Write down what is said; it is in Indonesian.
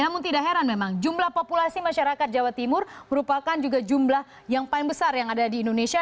namun tidak heran memang jumlah populasi masyarakat jawa timur merupakan juga jumlah yang paling besar yang ada di indonesia